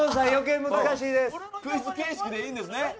クイズ形式でいいんですね。